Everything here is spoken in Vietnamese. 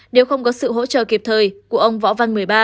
nếu không có sự hỗ trợ kịp thời của ông võ văn một mươi ba